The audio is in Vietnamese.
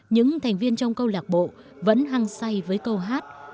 những thành viên trong câu lạc bộ vẫn hăng say với câu hát